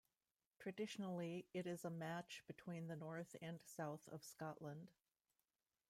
Traditionally it is a match between the north and south of Scotland.